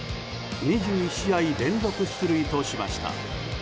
２１試合連続出塁としました。